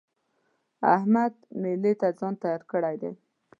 احمد مېلې ته ځان تيار کړی دی.